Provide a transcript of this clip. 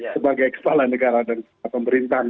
sebagai kepala negara dan kepala pemerintahan